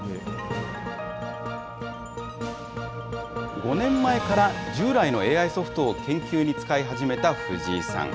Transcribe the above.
５年前から従来のＡＩソフトを研究に使い始めた藤井さん。